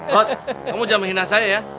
hot kamu jangan menghina saya ya